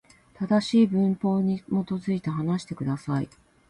正しい文法に基づいて、話してください。